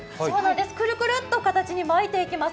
くるくるっと、形に巻いていきます。